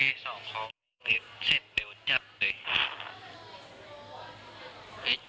แต่ก็เหมือนกับว่าจะไปดูของเพื่อนแล้วก็ค่อยทำส่งครูลักษณะประมาณนี้นะคะ